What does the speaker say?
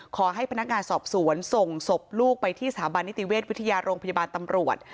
ขอให้พนักงานสอบสวนส่งศพลูกไปที่สถาบันนิติเวชวิทยาโรงพยาบาลตำรวจ